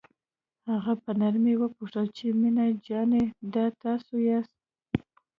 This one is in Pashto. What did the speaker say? هغه په نرمۍ وپوښتل چې مينه جانې دا تاسو یاست.